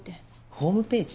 ホームページ？